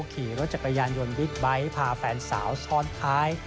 ขี่รถจักรยานยนต์บิ๊กไบท์พาแฟนสาวซ้อนท้าย